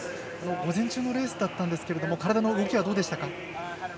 午前中のレースだったんですけれども体の動きはどうでしたか？